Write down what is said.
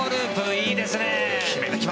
いいですね！